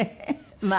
まあ。